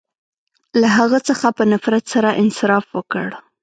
• له هغه څخه په نفرت سره انصراف وکړ.